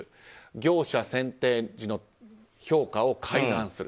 業者選定時の評価を改ざんする。